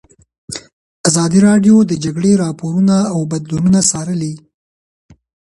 ازادي راډیو د د جګړې راپورونه بدلونونه څارلي.